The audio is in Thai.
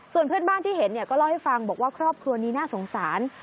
ส่วนเพื่อนบ้านที่เห็นก็เล่าให้ฟังบอกว่าครอบครัวนี้น่าสงสาร